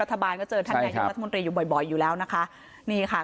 รัฐบาลก็เจอท่านนายกรัฐมนตรีอยู่บ่อยบ่อยอยู่แล้วนะคะนี่ค่ะ